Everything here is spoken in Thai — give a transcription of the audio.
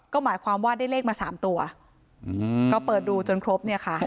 ก็หมายความว่าได้เลขมา๓ตัวก็เปิดดูจนครบเนี่ยค่ะ